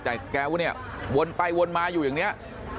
แต่แกเนี่ยวนไปวนมาอยู่อย่างนี้